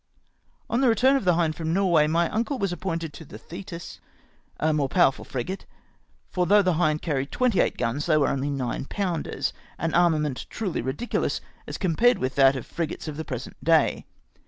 On the return of the Hind fi^om Norway, my uncle was appointed to the Thetis, a more powerful frigate ; for though the Hind carried 28 guns, they were only 9 pounders ; an armament truly ridiculous as compared with that of frigates of the present day.